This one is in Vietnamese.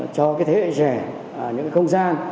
cho cái thế hệ rẻ những cái không gian